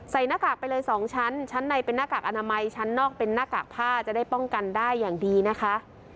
หน้ากากไปเลย๒ชั้นชั้นในเป็นหน้ากากอนามัยชั้นนอกเป็นหน้ากากผ้าจะได้ป้องกันได้อย่างดีนะคะ